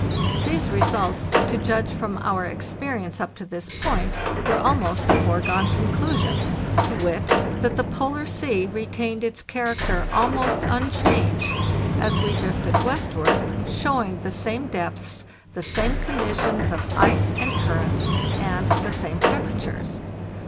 These results, to judge from our experience up to this point, were almost a foregone conclusion—to wit, that the Polar Sea retained its character almost unchanged as we drifted westward, showing the same depths, the same conditions of ice and currents, and the same temperatures.